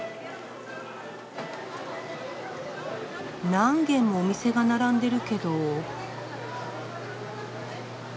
何軒もお店が並んでるけど。